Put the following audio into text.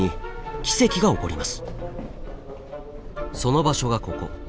その場所がここ。